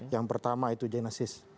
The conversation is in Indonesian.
yang pertama itu genesis